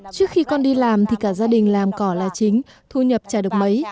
trước khi con đi làm thì cả gia đình làm cỏ là chính thu nhập trả được mấy